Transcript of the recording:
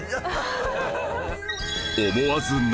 思わず涙！